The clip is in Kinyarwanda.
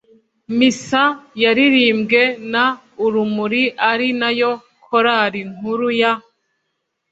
missa yaririmbwe na urumuri ari nayo chorale nkuru ya